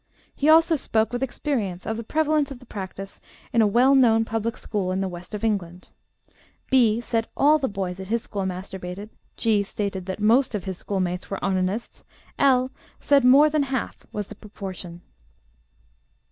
He also spoke with experience of the prevalence of the practice in a well known public school in the west of England. B. said all the boys at his school masturbated; G. stated that most of his schoolmates were onanists; L. said 'more than half' was the proportion.